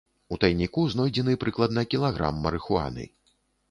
У тайніку знойдзены прыкладна кілаграм марыхуаны.